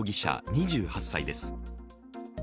２８歳です。